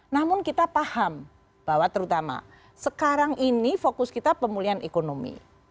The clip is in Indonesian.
namun kita paham bahwa terutama sekarang ini fokus kita pemulihan ekonomi